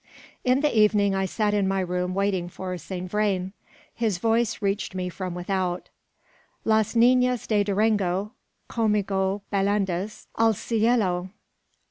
In the evening I sat in my room waiting for Saint Vrain. His voice reached me from without "`Las ninas de Durango Commigo bailandas, Al cielo